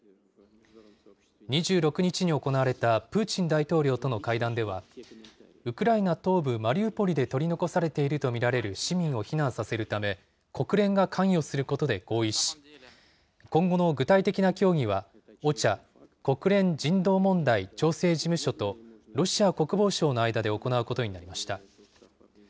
２６日に行われたプーチン大統領との会談では、ウクライナ東部マリウポリで取り残されていると見られる市民を避難させるため、国連が関与することで合意し、今後の具体的な協議はＯＣＨＡ・国連人道問題調整事務所とロシア国防省の間で行うことになりました。